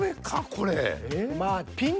これ。